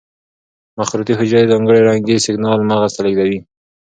مخروطې حجرې ځانګړي رنګي سېګنال مغز ته لېږي.